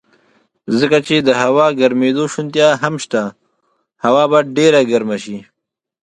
ځکه چې د هوا ګرمېدو شونتیا هم شته، هوا به ډېره ګرمه شي.